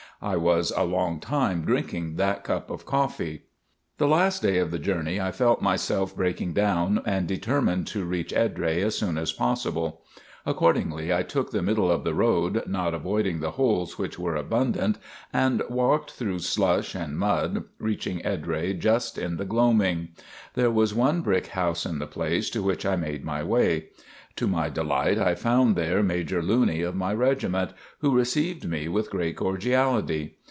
I was a long time drinking that cup of coffee. The last day of the journey I felt myself breaking down and determined to reach Edrai as soon as possible. Accordingly I took the middle of the road, not avoiding the holes which were abundant, and walked through slush and mud, reaching Edrai just in the gloaming. There was one brick house in the place, to which I made my way. To my delight I found there Major Looney of my regiment, who received me with great cordiality.